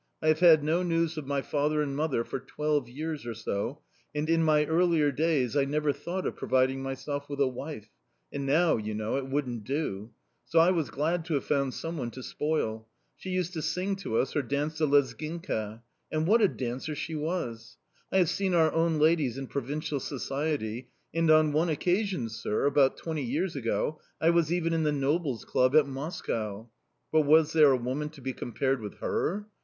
I have had no news of my father and mother for twelve years or so, and, in my earlier days, I never thought of providing myself with a wife and now, you know, it wouldn't do. So I was glad to have found someone to spoil. She used to sing to us or dance the Lezginka. .. And what a dancer she was! I have seen our own ladies in provincial society; and on one occasion, sir, about twenty years ago, I was even in the Nobles' Club at Moscow but was there a woman to be compared with her?